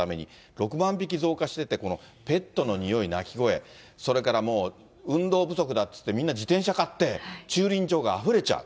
６万匹増加してて、このペットの臭い、鳴き声、それからもう運動不足だっていって、みんな自転車買って、駐輪場があふれちゃう。